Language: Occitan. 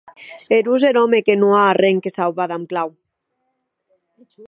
Erós er òme que non a arren que sauvar damb clau!